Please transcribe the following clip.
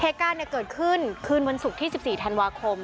เหตุการณ์เกิดขึ้นคืนวันศุกร์ที่๑๔ธันวาคม